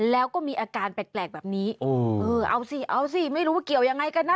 แล้วก็มีอาการแปลกแบบนี้เออเอาสิเอาสิไม่รู้ว่าเกี่ยวยังไงกันนะ